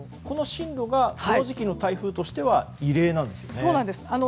この進路がこの時期の台風としては異例なんですね。